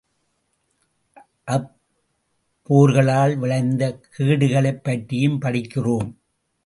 அப் போர்களால் விளைந்த கேடுகளைப் பற்றியும் படிக்கிறோம்.